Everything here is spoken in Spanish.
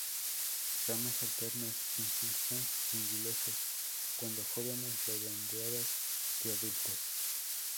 Ramas alternas, en zigzag, angulosas cuando jóvenes, redondeadas de adultas.